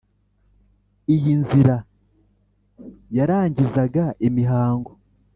iyi nzira yarangizaga imihango